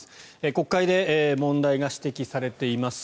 国会で問題が指摘されています